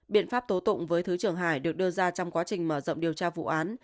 biện pháp tố tụng với thứ trưởng hải được đưa ra trong quá trình mở rộng điều tra vụ án